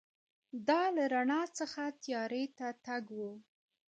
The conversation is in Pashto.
دا له رڼا څخه تیارې ته تګ و.